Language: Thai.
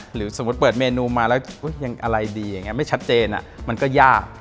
หรือสมมุติเปิดเมนูมาแล้วยังอะไรดีอย่างนี้ไม่ชัดเจนมันก็ยาก